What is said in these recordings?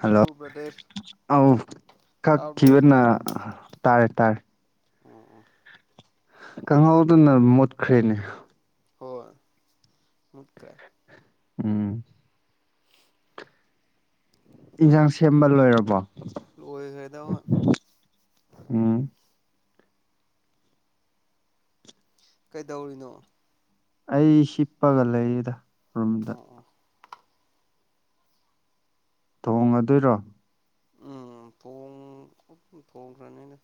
Hello brother ꯑ ꯇꯥꯕ꯭ꯔꯣ ꯀꯛꯈꯤꯕꯅ ꯇꯥꯔꯦ ꯇꯔ ꯎꯝ ꯎꯝ ꯀꯥꯡꯪꯍꯧꯗꯅ ꯃꯨꯠꯈ꯭ꯔꯦꯅꯦ ꯍꯣꯏ ꯃꯨꯠꯈ꯭ꯔꯦ ꯎꯝ ꯌꯦꯟꯁꯥꯡ ꯁꯦꯝꯕ ꯂꯣꯏꯔꯕꯣ ꯂ ꯐꯥꯏꯗ ꯑꯝ ꯀꯩꯗꯧꯔꯤꯅꯣ ꯑꯩ ꯁꯤꯄꯥꯒꯂꯗ ꯑ ꯑ ꯊꯣꯡꯉꯗꯣꯏꯔꯣ꯫ ꯎꯝ ꯄꯨꯡ ꯊꯣꯡꯈꯔ꯭ꯅꯤꯗ꯫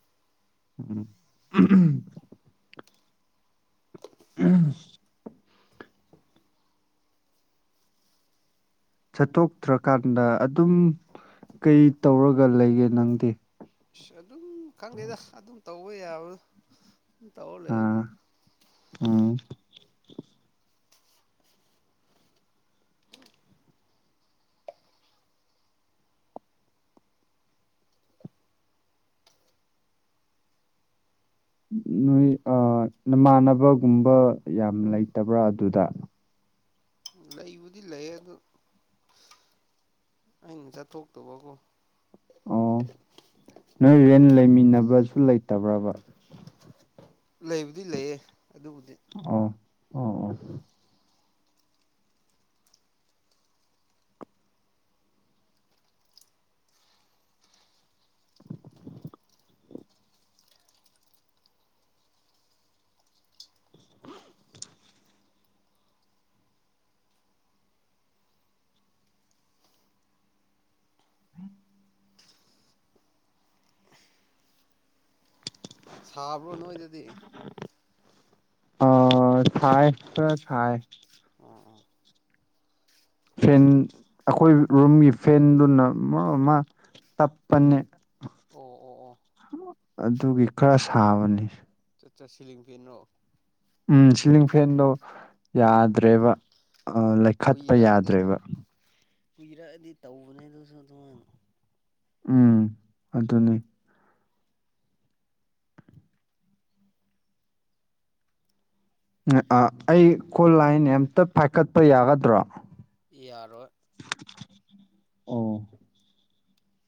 ꯎꯝ꯫ ꯎꯝ꯫ ꯆꯠꯊꯣꯛꯇ꯭ꯔꯀꯥꯟꯗ ꯑꯗꯨꯝ ꯀꯩ ꯇꯧꯔꯒ ꯂꯩꯒꯦ ꯅꯪꯗꯤ꯫ ꯑꯁ ꯑꯗꯨꯝ ꯈꯪꯗꯦꯗ ꯑꯗꯨꯝ ꯇꯧꯕ ꯌꯥꯕꯗꯣ꯫ ꯇꯧꯔ ꯑꯥ ꯂꯩꯕꯅꯤ ꯎꯝ꯫ ꯅꯣꯏ ꯅꯃꯥꯟꯅꯕꯒꯨꯝꯕ ꯌꯥꯝ ꯂꯩꯇꯕ꯭ꯔꯥ ꯑꯗꯨꯗ꯫ ꯂꯩꯕꯨꯗꯤ ꯂꯩꯌꯦ ꯑꯗꯨ ꯑꯩꯅ ꯆꯠꯊꯣꯛꯇꯕꯀꯣ꯫ ꯑꯣ ꯅꯣꯏ ꯔꯦꯟ ꯑꯗꯨꯒꯤꯅꯤꯅꯦ ꯂꯩꯃꯤꯟꯅꯕꯁꯨ ꯂꯩꯇꯕ꯭ꯔꯕ꯫ ꯂꯩꯕꯨꯗꯤ ꯂꯩꯌꯦ ꯑꯗꯨꯕꯨꯗꯤ꯫ ꯑꯣ ꯑꯣ ꯑꯣ꯫ ꯁꯥꯕ꯭ꯔꯣ ꯅꯣꯏꯗꯗꯤ꯫ ꯑ ꯁꯥꯏ ꯈꯔ ꯁꯥꯏ꯫ ꯑꯣ꯫ ꯐꯦꯟ ꯑꯩꯈꯣꯏ ꯔꯨꯝꯒꯤ ꯐꯦꯟꯗꯨꯅ ꯃ ꯑꯃ꯫ ꯇꯞꯄꯅꯦ꯫ ꯑꯣ ꯑꯣ ꯑꯣ꯫ ꯑꯗꯨꯒꯤ ꯈꯔ ꯁꯥꯕꯅꯤ꯫ ꯆꯠ ꯁꯤꯂꯤꯡ ꯐꯦꯟ ꯔꯣ꯫ ꯎꯝ ꯁꯤꯂꯤꯡ ꯐꯦꯟꯗꯣ ꯎꯝ ꯌꯥꯗ꯭ꯔꯦꯕ꯫ ꯂꯩꯈꯠꯄ ꯀꯨꯏꯔꯛꯑꯗꯤ ꯌꯥꯗ꯭ꯔꯦꯕ꯫ ꯀꯨꯏꯔꯛꯑꯗꯤ ꯇꯧꯕꯅꯦ ꯑꯗꯨꯁꯨ ꯑꯗꯨꯝ꯫ ꯎꯝ ꯑꯗꯨꯅꯤ꯫ ꯑꯩ ꯀꯣꯜꯂꯥꯏꯟ ꯑꯝꯇ ꯄꯥꯏꯈꯠꯄ ꯌꯥꯒꯗ꯭ꯔꯣ꯫ ꯌꯥꯔꯣꯏ꯫ ꯑꯣ꯫ [unintelligible]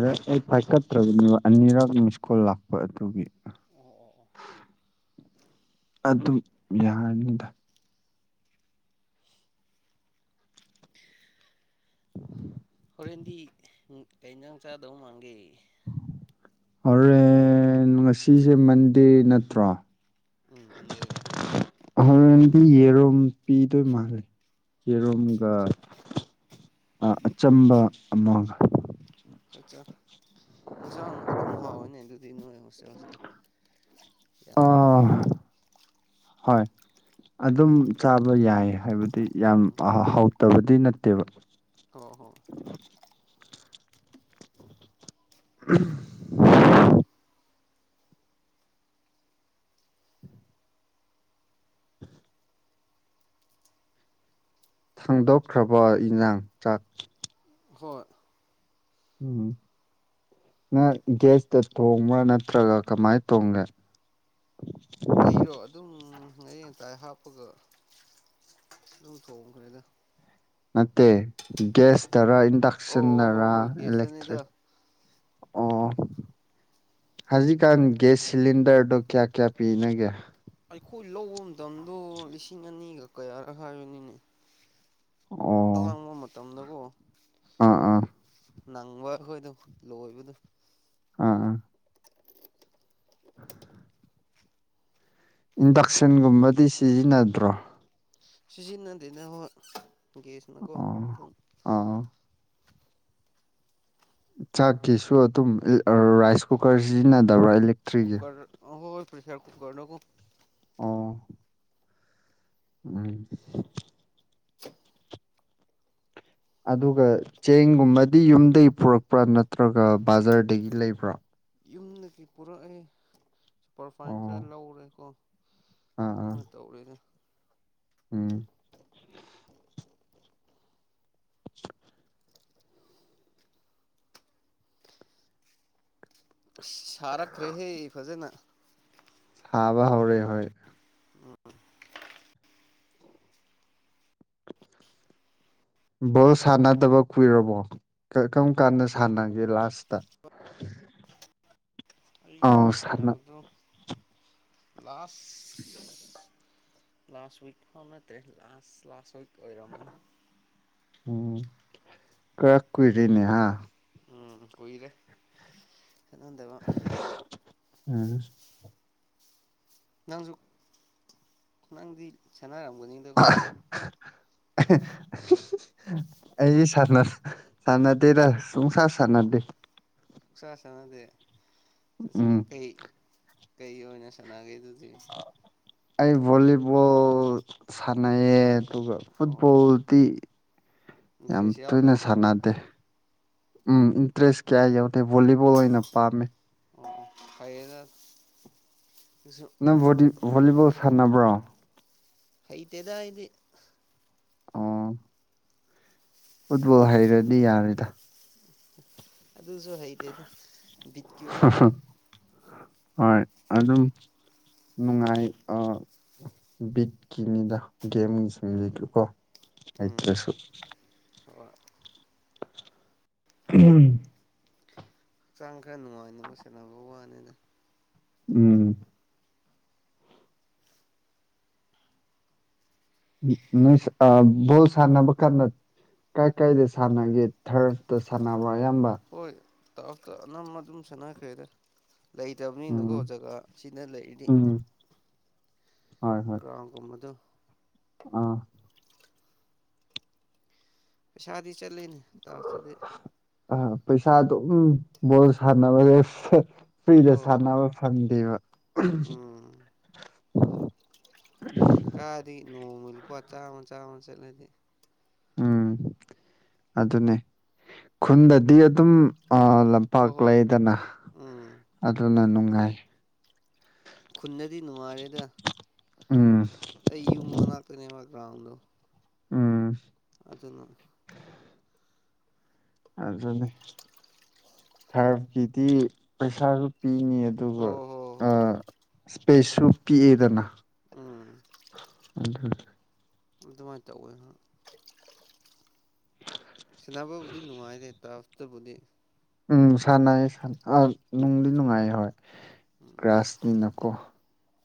[unintelligible] ꯅꯠꯇ꯭ꯔ ꯑꯅꯤꯔꯛ ꯃꯤꯁꯀꯣꯜ ꯂꯥꯛꯄ ꯑꯗꯨꯒꯤ꯫ ꯑꯣ ꯑꯣ ꯑꯣ꯫ ꯑꯗꯨ ꯌꯥꯔꯅꯤꯗ꯫ ꯍꯣꯔꯦꯟꯗꯤ ꯀꯩ ꯖꯥꯡ ꯆꯥꯗꯧ ꯃꯥꯡꯒꯦ꯫ ꯍꯣꯔꯦꯟ ꯉꯁꯤꯁꯦ ꯃꯟꯗꯦ ꯅꯠꯇ꯭ꯔꯣ꯫ ꯎꯝ ꯍꯟꯗꯦꯅ ꯍꯣꯔꯦꯟꯗꯤ ꯌꯦꯔꯨꯝ ꯄꯤꯗꯣꯏ ꯃꯥꯜꯂꯦ꯫ ꯆꯠ ꯌꯦꯔꯨꯝꯒ ꯆꯠ ꯑꯆꯝꯕ ꯑꯃꯒ꯫ ꯆꯠ ꯌꯦꯟꯁꯥꯡ ꯑꯗꯨꯝ ꯍꯥꯎꯋꯅꯦ ꯑꯗꯨ꯫ ꯑꯗꯨ ꯅꯣꯏ ꯍꯣꯁꯇꯦꯜꯁꯦ ꯌꯥꯝ꯫ ꯑꯥ ꯍꯣꯏ ꯑꯗꯨꯝ ꯆꯥꯕ ꯌꯥꯏ ꯍꯥꯏꯕꯗꯤ ꯌꯥꯝ ꯎꯝ ꯍꯥꯎ꯫ ꯇꯕꯗꯤ ꯅꯠꯇꯦꯕ꯫ ꯍ ꯍꯣ꯫ [unintelligible] ꯊꯥꯡꯗꯣꯛꯈ꯭ꯔꯕ ꯏꯟꯖꯥꯡ ꯆꯥꯛ꯫ ꯍꯣꯏ꯫ ꯎꯝ꯫ ꯅꯪ ꯒꯦꯁꯇ ꯊꯣꯡꯕ꯭ꯔꯥ ꯅꯠꯇ꯭ꯔꯒ ꯀꯃꯥꯏꯅ ꯊꯣꯡꯒꯦ꯫ ꯑꯩꯔꯣ ꯑꯗꯨꯝ ꯍꯌꯦꯡ꯫ ꯇꯥꯏ ꯍꯥꯞꯄꯒ ꯑꯗꯨꯝ ꯊꯣꯡꯈꯔ꯭ꯦꯗ꯫ ꯅꯠꯇꯦ ꯒꯦꯁ꯫ ꯇꯔꯥ ꯑꯣ ꯏꯟꯗꯛꯁꯟ ꯍꯣꯏ ꯍꯣꯏ ꯇꯔꯥ ꯍꯣꯏ ꯒꯦꯁꯇꯅꯤꯗ ꯏꯂꯦꯛꯇ꯭ꯔꯤꯛ꯫ ꯑꯣ ꯍꯧꯖꯤꯛꯀꯥꯟ ꯒꯦꯁ ꯁꯤꯂꯤꯟꯗꯔꯗꯣ ꯀꯌꯥ-ꯀꯌꯥ ꯄꯤꯅꯒꯦ꯫ ꯑꯩꯈꯣꯏ ꯂꯧꯕ ꯃꯇꯝꯗꯣ ꯂꯤꯁꯤꯡ ꯑꯅꯤꯒ ꯀꯌꯥꯔ ꯍꯥꯏꯕꯅꯤꯅꯦ꯫ ꯑꯣ ꯇꯥꯡꯕ ꯃꯇꯝꯗꯀꯣ꯫ ꯑꯥ ꯑꯥ꯫ ꯅꯪꯕ ꯑꯈꯣꯏꯗꫭ ꯂꯣꯏꯕꯗꯨ꯫ ꯑꯥ ꯑ꯫ ꯏꯟꯗꯛꯁꯟꯒꯨꯝꯕꯗꯤ ꯁꯤꯖꯤꯟꯅꯗ꯭ꯔꯣ꯫ ꯁꯤꯖꯤꯟꯅꯗꯦꯅꯦ ꯍꯣꯏ ꯒꯦꯁꯅꯀꯣ ꯑꯣ ꯑꯗꯨꯝ ꯑꯥ ꯆꯥꯛꯀꯤꯁꯨ ꯑꯗꯨꯝ ꯔꯥꯏꯁ ꯀꯨꯀꯔ ꯁꯤꯖꯤꯟꯅꯗꯕ꯭ꯔꯥ ꯂꯦꯛ ꯀꯨꯀꯔ ꯑꯈꫭꯏ ꯄ꯭ꯔꯦꯁꯔ ꯀꯨꯀꯔ ꯅ ꯀꫭ ꯑꯣ ꯎꯝ꯫ [unintelligible] ꯑꯗꯨꯒ ꯆꯦꯡꯒꯨꯝꯕꯗꯤ ꯌꯨꯝꯗꯒꯤ ꯄꯨꯔꯛꯄ꯭ꯔꯥ ꯅꯠꯇ꯭ꯔꯒ ꯕꯥꯖꯥꯔꯗꯒꯤ ꯂꯩꯕ꯭ꯔꯥ꯫ ꯌꯨꯝꯗꯒꯤ ꯄꯨꯔꯛꯑꯦ ꯁꯨꯄꯔꯐꯥꯏꯟ ꯑꯣ ꯈꯔ ꯂꯧꯔꯦꯀꯣ꯫ ꯑꯥ ꯑꯥ ꯃ ꯇꯧꯔꯦꯅꯦ꯫ ꯎꯝ꯫ [unintelligible] ꯁꯥꯔꯛꯈ꯭ꯔꯦꯍꯦ ꯐꯖꯅ꯫ ꯁꯥꯕ ꯍꯧꯔꯦ ꯍꫭꯏ꯫ [unintelligible] ꯕꯣꯜ ꯁꯥꯟꯅꯗꯕ ꯀꯨꯏꯔꯕꯣ꯫ ꯀꯔꯝ ꯀꯥꯟꯗ ꯁꯥꯟꯅꯒꯦ ꯂꯥꯁꯇ꯫ [unintelligible] ꯑꫭ ꯑꯩ ꯁꯥꯅ ꯁꯥꯟꯅꯕꯗꯣ ꯂꯥꯁ ꯂꯥꯁ ꯋꯤꯛ ꯐꯧ ꯅꯠꯇꯦ ꯂꯥꯁ ꯂꯥꯁ ꯍꫭꯏ ꯀ ꯀꯨꯏꯔꯦꯅꯦꯍꯥ꯫ ꯎꯝ ꯀꯨꯏꯔꯦ ꯁꯥꯅꯗꯕ꯫ ꯎꯝ ꯅꯪꯁꯨ ꯅꯪꯗꯤ ꯁꯅꯥꯔꯝ [unintelligible] ꯑꯩ ꯁꯥꯅ ꯁꯥꯟꯅꯗꯦꯗ꯫ ꯄꯨꯡꯁꯥ ꯁꯥꯟꯅꯗꯦ꯫ ꯆꯥ ꯁꯥꯟꯅꯗꯦ ꯁꯁ ꯎꯝ ꯀꯩ ꯀꯩ ꯑꯣꯏꯅ ꯁꯥꯟꯅꯒꯦꯗꯨ ꯗꯤ ꯑꯩ ꯚꯣꯂꯤꯕꯣꯜ ꯁꯥꯟꯅꯩꯌꯦ ꯑꯗꯨꯒ ꯑꯣ ꯐꯨꯠꯕꯣꯜꯗꯤ ꯌꯥꯝ ꯏꯟꯇꯔꯦꯁ ꯇꯣꯏꯅ ꯌꯥꯎꯗꯕ꯭ꯔꯣ ꯑꯣ ꯁꯥꯟꯅꯗꯦ꯫ ꯎꯝ ꯏꯟꯇꯔꯦꯁ ꯀꯌꯥ ꯌꯥꯎꯗꯦ ꯚꯣꯂꯤꯕꯣꯜ ꯑꯣꯏꯅ ꯄꯥꯝꯃꯦ꯫ ꯑꯣ ꯐꯩꯌꯦꯗ꯫ ꯑꯗꯨꯁꯨ ꯅꯪ ꯕꫭꯗꯤ ꯚꫭꯂꯤꯕꫭꯜ ꯁꯥꯟꯅꯕ꯭ꯔꯣ꯫ ꯍꯩꯇꯦꯗ ꯑꯩꯗꯤ꯫ ꯑꫭ꯫ ꯐꯨꯠꯕꯣꯜ ꯍꯩꯔꯗꯤ ꯌꯥꯔꯦꯗ꯫ ꯑꯗꯨꯁꯨ ꯍꯩꯇꯦꯗ ꯕꯤꯠꯀꯤ ꯋꯥꯅꯤ꯫ ꯍꯣꯏ ꯑꯗꯨꯝ ꯅꯨꯡꯉꯥꯏ ꯑ ꯕꯤꯠꯀꯤꯅꯤꯗ꯫ ꯒꯦꯝꯁꯤꯡ ꯎꯝ ꯗꯤ ꯀꯣ ꯎꯝ ꯍꯩꯇ꯭ꯔꯁꯨ꯫ ꯍꯣꯏ ꯎꯝ꯫ ꯍꯛꯆꯥꯡ ꯈꯔ ꯅꯨꯡꯉꯥꯏꯅꯕ ꯁꯥꯟꯅꯕ ꯋꯥꯅꯤꯗ꯫ ꯎꯝ꯫ ꯅꫭꯏ ꯑ ꯕꫭꯜ ꯁꯥꯟꯅꯕ ꯀꯥꯟꯗ ꯀꯥꯏ ꯀꯥꯏꯗ ꯁꯥꯟꯅꯥꯒꯦ ꯊꯔꯐꯇ ꯁꯥꯟꯅꯕ꯭ꯔ ꯑꯌꯥꯝꯕ꯫ ꯇꯥꯎꯇ ꯑꯅꯝꯕ ꯑꯗꯨꯝ ꯁꯥꯟꯅꯈꯩꯔꯦ ꯂꯩꯇꯕꯅꯤꯅꯀꯣ ꯎꯝ ꯖꯒꯥ ꯁꯤꯅ ꯂꯩꯔꯤꯗꯤ ꯎꯝ ꯍꯣꯏ ꯍꯣꯏ ꯭ꯔ ꯀꯨꯝꯃꯗ ꯑꯥ ꯄꯩꯁꯥꯗꯤ ꯆꯠꯂꯤꯅꯦ ꯇꯥꯞꯇꯗꯤ ꯑ ꯄꯩꯁꯥ ꯑꯗꯨꯝ ꯕꯣꯜ ꯁꯥꯟꯅꯕꯁꯦ ꯐ꯭ꯔꯤꯗ ꯍꯣꯏ ꯁꯥꯟꯅꯕ ꯐꯪꯉꯤ ꯀꯕ ꯎꯝ ꯀꯔꯤ ꯅꯣꯡꯃꯂ ꯄ ꯆꯥꯋꯥ ꯆꯥꯃ ꯆꯠꯂꯗꯤ ꯎꯝ ꯑꯗꯨꯅꯦ ꯈꯨꯟꯗꯗꯤ ꯑꯗꯨꯝ ꯂꯝꯄꯥꯛ ꯍꯣꯏ ꯍꯣꯏ ꯂꯩꯗꯅ ꯎꯝ ꯑꯗꯨꯅ ꯅꯨꯡꯉꯥꯏ ꯈꯨꯟꯅꯗꯤ ꯅꯨꯡꯉꯥꯏꯔꯦꯗ ꯎꯝ ꯑꯩ ꯌꯨꯝ ꯃꯅꯥꯛꯇꯅꯦꯕ ꯒ꯭ꯔꯥꯎꯟꯗꯣ ꯎꯝ ꯑꯗꯨꯗꯅ ꯑꯗꯨꯅꯦ ꯊꯔꯀꯤꯗꯤ ꯄꯩꯁꯥꯁꯨ ꯄꯤꯅꯤ ꯑꯗꯨꯒ ꯍꯣꯏ ꯍꯣꯏ ꯍꯣꯏ ꯏꯁꯄꯦꯁꯁꯨ ꯄꯤꯛꯑꯦꯗꯅ ꯎꯝ ꯑꯗꯨꯗ ꯑꯗꯨꯗꯃꯥꯏ ꯇꯧ ꯑꯣꯏꯣꯏꯍ ꯁꯕꯨꯗꯤ ꯎꯝ ꯁꯥꯟꯅ ꯑ ꯅꯨꯡꯗꯤ ꯅꯨꯡꯉꯥꯏ ꯍꯣꯏ ꯀ꯭ꯔꯥꯁꯅꯤ ꯅꯀꯣ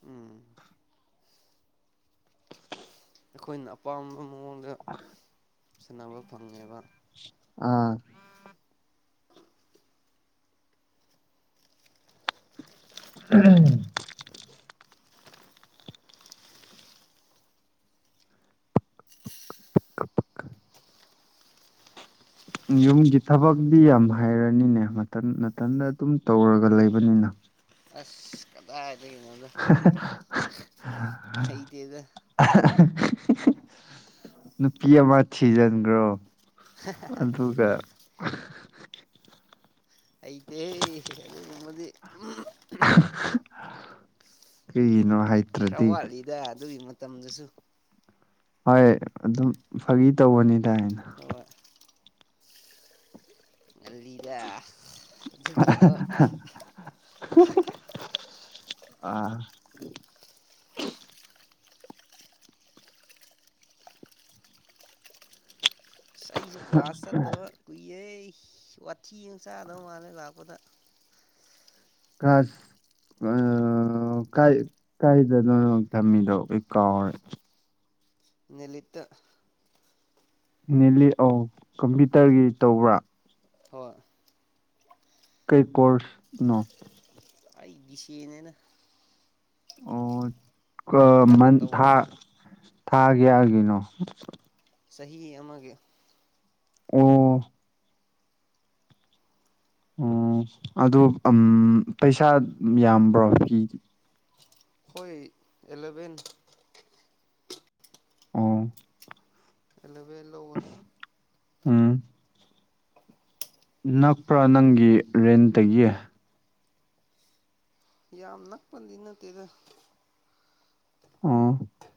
ꯎꯝ ꯑꯩꯈꯣꯏꯅ ꯑꯄꯥꯝꯕ ꯃꯑꯣꯡꯗ ꯁꯥꯟꯅꯕ ꯐꯪꯉꯦꯕ ꯑꯥ ꯑ ꯎꯝ ꯌꯨꯝꯒꯤ ꯊꯕꯛꯇꯗꯤꯤ ꯌꯥꯝ ꯍꯥꯏꯩꯔꯅꯤꯅꯦ ꯅꯥꯊꯟꯗ ꯑꯗꯨꯝ ꯇꯧꯔꯒ ꯂꯩꯕꯅꯤꯅ ꯑꯁ ꯀꯗꯥ [unintelligible] ꯑꯩꯗꯤꯗ ꯅꯨꯄꯤ ꯑꯃ ꯊꯤꯖꯤꯟꯈ꯭ꯔꯣ ꯑꯗꯨꯒ ꯑ ꯑꯗꯤ ꯅꯃꯗꯤ ꯀꯩꯅ ꯈꯔ ꯋꯥꯠꯂꯤꯗ ꯑꯗꯨꯒꯤ ꯃꯇꯝꯗꯨꯁꯨ ꯍꯣꯏ ꯑꯗꯨꯝ ꯐꯥꯒꯤ ꯇꯧꯕꯅꯤ ꯇꯥꯏꯅ ꯍꯣꯏ ꯂꯤꯗ ꯒꯨꯝꯕ ꯑꯥ ꯑꯁ ꯑꯩꯁꯨ ꯀ꯭ꯂꯥꯁ ꯆꯠꯇꯔ ꯀꯨꯏꯌꯦꯦ ꯋꯥꯊꯤ ꯆꯥꯗꯧ ꯃꯥꯜꯂꯦ ꯂꯥꯛꯄꯗ ꯈꯥꯁ ꯀꯥꯏꯗꯅꯣ ꯊꯝꯃꯤꯗꯣ ꯑꯩꯈꯣꯏ ꯀꯥꯎꯔꯦ ꯅꯨꯂꯤꯇ ꯅꯦꯜꯂꯤ ꯑ ꯀꯝꯄ꯭ꯌꯨꯇꯔꯒꯤ ꯇꯧꯕ꯭ꯔꯥ ꯍꯣꯏ ꯀꯩ ꯀꯣꯔꯁꯅꯣ ꯑꯩ ꯁꯤꯅꯦꯅ ꯑꯣ ꯀ ꯍꯟꯗꯛꯅ ꯃꯟ ꯊꯥ ꯇꯧꯕꯅꯤꯅ ꯊꯥꯒꯒꯤꯅꯣ ꯆꯍꯤ ꯑꯃꯒꯤ ꯑꯣ ꯑꯣ ꯑꯗꯨ ꯄꯩꯁꯥ ꯌꯥꯝꯕ꯭ꯔꯣ ꯐꯤꯗꯤ ꯍꯣꯏ ꯑꯦꯂꯦꯚꯦꯟ ꯑꯣ ꯑꯦꯂꯚꯦꯟ ꯂꯧꯋꯦ ꯑꯝ ꯅꯛꯄ꯭ꯔꯥ ꯅꯪꯒꯤ ꯔꯦꯟꯇꯒꯤ ꯌꯥꯝ ꯅꯄꯗꯤ ꯏꯅꯠꯇꯦꯗ ꯑꯣ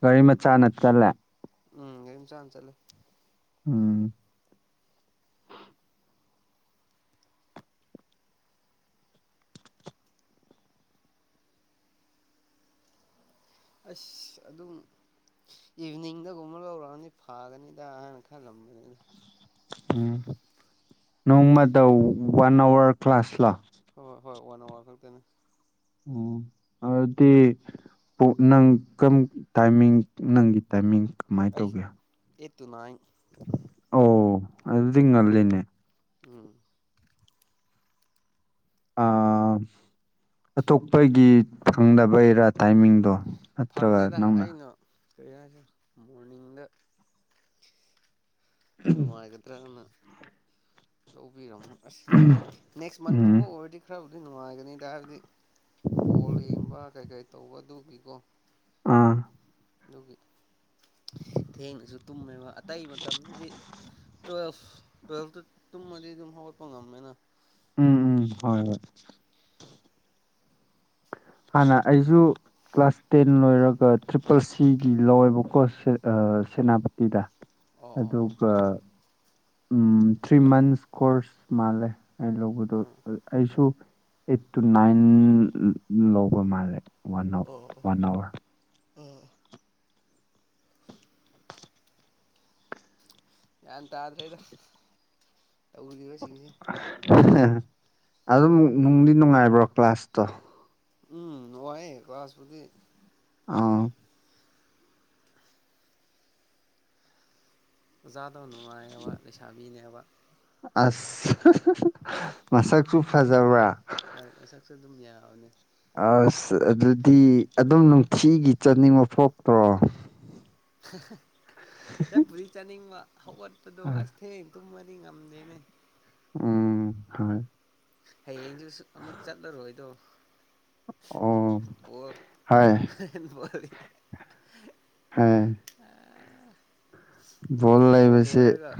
ꯒꯥꯔꯤ ꯃꯆꯥ ꯅ ꯆꯜꯂꯦ ꯎꯝ ꯌꯦꯝ ꯆꯥꯟ ꯆꯂ ꯎꯝ ꯑꯁ ꯑꯗꯨꯝ ꯏꯚꯤꯅꯤꯡꯗꯒꯨꯝꯕ ꯂꯧꯔꯛꯑꯅꯤ ꯐꯥꯒꯅꯤꯗ ꯑꯍꯥꯟꯅ ꯈꯜꯂꯝꯕꯅꯤꯗ ꯎꯝ ꯅꯣꯡꯃꯗ ꯋꯥꯟ ꯑꯋꯥꯔ ꯀ꯭ꯂꯥꯁ ꯂꯣ ꯍꯣꯏ ꯍꯣꯏ ꯋꯥꯟ ꯑꯋꯥꯔ ꯈꯛꯇꯅꯤ ꯑꯣ ꯑꯗꯨꯗꯤ ꯅꯪ ꯀꯔꯝ ꯇꯥꯏꯃꯤꯡ ꯅꯪꯒꯤ ꯇꯥꯏꯃꯤꯡ ꯀꯃꯥꯏꯅ ꯑꯩ ꯇꯧꯒꯦ ꯑꯩꯠ ꯇꯨ ꯅꯥꯏꯟ ꯑꯗꯨꯜꯅꯦ ꯎꯝ ꯑ ꯑꯇꯣꯞꯄꯒꯤ ꯐꯪꯗꯕꯩꯔꯥ ꯇꯥꯏꯃꯤꯡꯗꯣ ꯑꯠꯇ ꯐꯪꯉꯦꯗ ꯅꯪꯅ ꯑꯩꯅ ꯀꯔꯤ ꯍꯥꯏ ꯃꯣꯔꯅꯤꯡꯗ ꯈꯔ ꯅꯨꯡꯉꯥꯏꯒꯗ꯭ꯔꯅ ꯂꯧꯕꯤꯔꯝꯃꯣ ꯑꯁ ꯅꯦꯛꯁ ꯃꯟꯒꯨꯝꯕ ꯎꯝ ꯑꯣꯏꯔꯗꯤ ꯈꯔ ꯑꯗꯨꯗꯤ ꯅꯨꯡꯉꯥꯏꯒꯅꯤꯗ ꯍꯥꯏꯕꯗꯤ ꯕꯣꯜ ꯌꯦꯡꯕ ꯀꯩ ꯀꯔꯤ ꯇꯧꯕ ꯑꯗꯨꯒꯤꯀꯣ ꯑꯥ ꯑꯗꯨꯒꯤ ꯊꯦꯡꯅꯁꯨ ꯇꯨꯝꯃꯦꯕ ꯑꯇꯩ ꯃꯇꯝꯗꯗꯤ ꯇꯨꯋꯦꯜꯐ ꯇ꯭ꯋꯦꯜ ꯃ ꯑꯗꯨ ꯍ ꯄꯥꯎ ꯉꯝꯃꯦꯅ ꯎꯝ ꯎꯝ ꯍꯣꯏ ꯍꯣꯏ ꯍꯥꯟꯅ ꯑꯩꯁꯨ ꯀ꯭ꯂꯥꯁ ꯇꯦꯟ ꯂꯣꯏꯔꯒ ꯇ꯭ꯔꯤꯄꯜ ꯁꯤꯒꯤ ꯂꯧꯋꯦꯕꯀꯣ ꯁꯦꯅꯥꯄꯇꯤꯗ ꯑꯣ ꯑꯣ ꯑꯣ ꯑꯗꯨꯒ ꯎꯝ ꯊ꯭ꯔꯤ ꯃꯟꯁ ꯀꯣꯔꯁ ꯃꯥꯜꯂꯦ ꯑꯩ ꯂꯧꯕꯗꯣ ꯎꯝ ꯑꯩꯁꯨ ꯑꯩꯠ ꯇꯨ ꯅꯏꯟ ꯂꯧꯕ ꯃꯦ ꯋꯥ ꯑꯋꯥꯔ ꯑꯣ ꯑꯣ ꯋꯥꯟ ꯑꯋꯥꯔ ꯑꯣ ꯌꯥ ꯇꯗ꯭ꯔꯦ ꯏꯗ ꯑꯗꯨꯝ ꯅꯨꯡꯗꯤ ꯅꯨꯡꯉꯥꯏꯕ꯭ꯔꯣ ꯀ꯭ꯂꯥꯁꯇꯣ ꯎꯝ ꯋꯥꯅꯨꯡꯉꯥꯏ ꯀ꯭ꯂꯥꯁꯕꯨꯗꯤ ꯑ ꯑꯣꯖꯥꯗ ꯅꯨꯡꯉꯥꯏꯌꯦꯕ ꯂꯩꯁꯥꯕꯤꯅꯦꯕ ꯑꯁ ꯃꯁꯛꯁꯨ ꯐꯖꯕ꯭ꯔꯥ ꯍꯣꯏ ꯃꯁꯛꯁꯨ ꯑꯗꯨꯝ ꯌꯥꯎꯅꯤ ꯑꯁ ꯑꯗꯨꯗꯤ ꯑꯗꯨꯝ ꯅꯨꯡꯊꯤꯒꯤ ꯆꯠꯅꯤꯡꯕ ꯐꯣꯛꯇ꯭ꯔꯣ ꯆꯠ ꯄꯨꯗꯤ ꯆꯥꯅꯤꯡꯕ ꯍꯧꯒꯠꯄꯗꯣ ꯑ ꯊꯤꯡ ꯇꯨꯝꯃꯗꯤ ꯉꯝꯗꯦꯅꯦ ꯎꯝ ꯍꯥꯏ ꯍꯌꯦꯡꯁꯨ ꯑꯃꯨꯛ ꯆꯠꯂꯔꯣꯏꯗꯣ ꯑꯣ ꯍꯣꯏ ꯠ ꯍꯥ ꯣꯜ ꯕꯣꯜ ꯂꯩꯕꯁ ꯂꯣꯏꯔꯒ